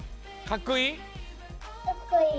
かっこいい！